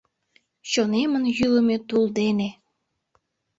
Чонемын йÿлымö тул дене